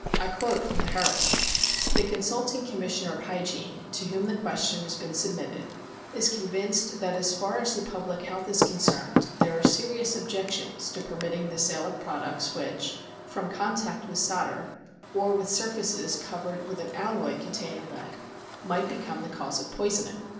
I quote from the Herald : — "The Consulticg Commissioner of Hygiene, to whom the question has been submitted, is convinced that, as far as the public health is concerned, there are serious objections to permitting the sale of products which, from contact with solder, or with surfaces covered with an alloy containing lead, might become the cause of poisoning.